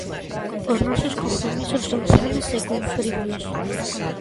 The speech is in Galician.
Os nosos compromisos son firmes e cumprímolos.